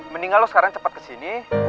mendingan lo sekarang cepet kesini gue tungguin